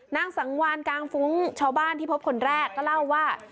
นางสังวานกลางฟุ้งชาวบ้านที่พบคนแรกก็เล่าว่า